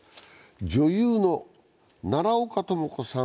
女優の奈良岡朋子さん